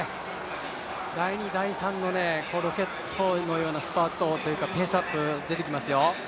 第２、第３のようなロケットのようなスパートペースアップ、出てきますよ。